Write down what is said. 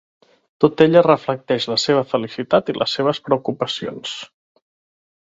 Tota ella reflecteix la seva felicitat i les seves preocupacions.